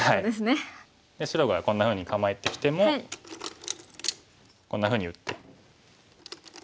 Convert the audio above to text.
で白がこんなふうに構えてきてもこんなふうに打って。